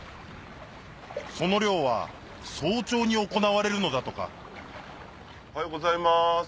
その漁は早朝に行われるのだとかおはようございます。